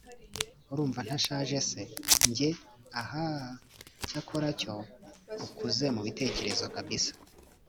urumva ntashaje se!? njye hahaha! cyakora cyo ukuze mubitekerezo kabsa